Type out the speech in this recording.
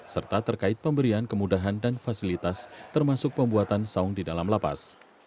serta terkait pemberian kemudahan dan fasilitas termasuk pembuatan saung di dalam lapas